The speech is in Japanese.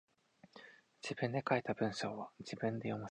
自分で書いた文章は自分で読ませてくれ。